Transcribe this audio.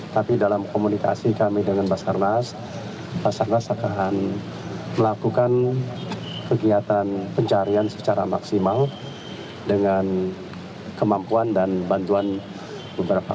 tapi dalam komunikasi kami dengan basarnas basarnas akan melakukan kegiatan pencarian secara maksimal dengan kemampuan dan bantuan beberapa